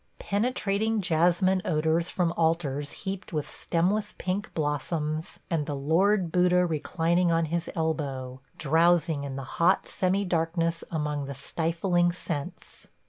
Penetrating jasmine odors from altars heaped with stemless pink blossoms, and the Lord Buddha reclining on his elbow, drowsing in the hot semi darkness among the stifling scents.